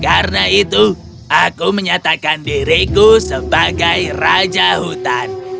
karena itu aku menyatakan diriku sebagai raja hutan